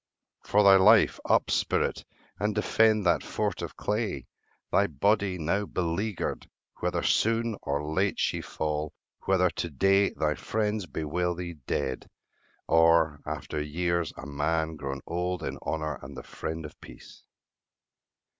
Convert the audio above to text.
For thy life, Up, spirit, and defend that fort of clay, Thy body, now beleaguered; whether soon Or late she fall; whether to day thy friends Bewail thee dead, or, after years, a man Grown old in honour and the friend of peace.